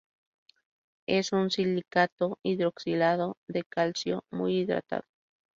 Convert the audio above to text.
Es un silicato hidroxilado de calcio, muy hidratado.